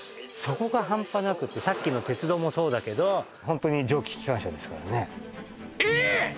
そこがハンパなくてさっきの鉄道もそうだけどホントに蒸気機関車ですからねえっ！？